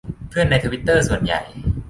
เพื่อนในทวิตเตอร์ ส่วนใหญ่